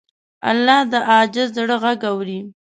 الله د عاجز زړه غږ اوري.